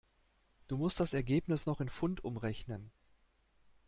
Du musst das Ergebnis noch in Pfund umrechnen.